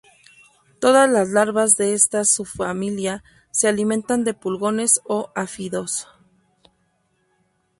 Toda las larvas de esta subfamilia se alimentan de pulgones o áfidos.